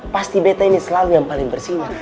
pasti beta ini selalu yang paling bersih